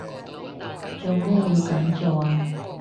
做咩要噉做啊？